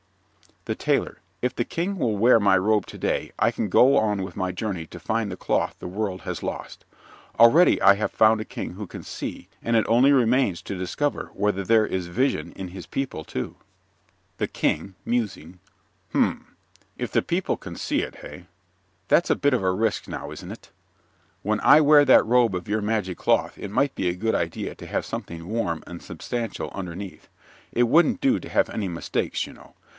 THE TAILOR If the King will wear my robe to day I can go on with my journey to find the cloth the world has lost. Already I have found a King who can see, and it only remains to discover whether there is vision in his people, too. THE KING (musing) Hum! If the people can see it, hey? That's a bit of a risk now, isn't it? When I wear that robe of your magic cloth it might be a good idea to have something warm and substantial underneath. It wouldn't do to have any mistakes, you know.